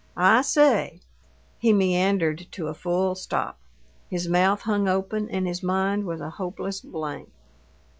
I say " He meandered to a full stop. His mouth hung open, and his mind was a hopeless blank.